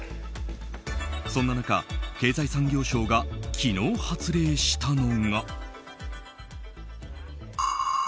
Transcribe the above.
そんな中、経済産業省が昨日、発令したのが。